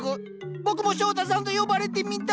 僕も翔太さんと呼ばれてみたい！